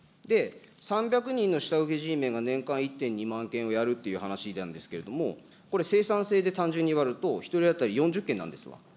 ３００人の下請けＧメンが年間１．２万件をやるっていう話なんですけれども、これ、生産性で単純に割ると、１人当たり４０件なんですわ。